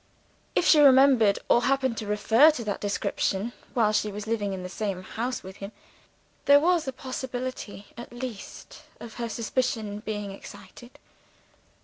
If she remembered or happened to refer to that description, while she was living in the same house with him, there was a possibility at least of her suspicion being excited.